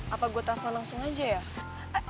apa gue takut langsung aja ya